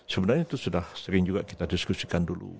sebenarnya itu sudah sering juga kita diskusikan dulu